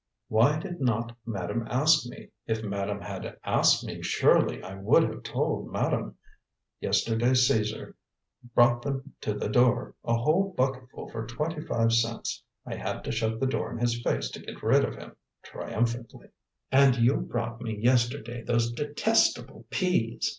"Why did not madame ask me? If madame had asked me, surely I would have told madame. Yesterday Caesar brought them to the door a whole bucketful for twenty five cents. I had to shut the door in his face to get rid of him," triumphantly. "And you brought me yesterday those detestable peas!"